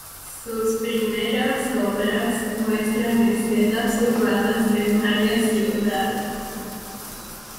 Sus primeras obras muestran escenas urbanas de varias ciudades.